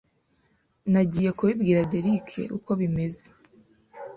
Nagiye kubibwira Derrick uko bimeze.